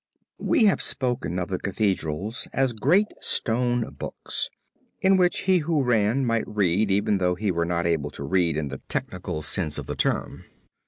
We have spoken of the Cathedrals as great stone books, in which he who ran, might read, even though he were not able to read in the technical sense of the term.